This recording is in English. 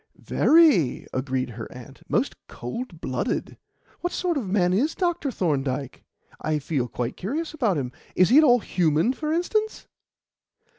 "Very," agreed her aunt. "Most cold blooded. What sort of man is Dr. Thorndyke? I feel quite curious about him. Is he at all human, for instance?"